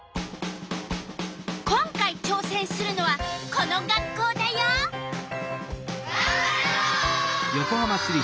今回ちょうせんするのはこの学校だよ。がんばるぞ！